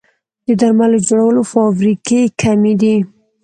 د درملو جوړولو فابریکې کمې دي